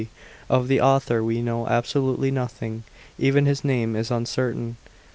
D. Of the author we know absolutely nothing; even his name is uncertain. § 6.